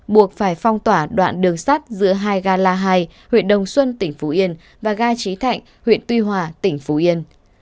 buộc phải phong tỏa đoạn đường sắt giữa hai ga la hai huyện đồng xuân tỉnh phú yên và ga trí thạnh huyện tuy hòa tỉnh phú yên